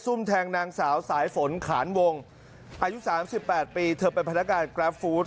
ซุ่มแทงนางสาวสายฝนขานวงอายุสามสิบแปดปีเธอเป็นพนักการแกรปฟู้ด